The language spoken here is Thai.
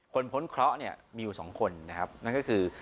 คนพ้นเคราะห์มีอยู่๒คนนะครับนั่นก็คือ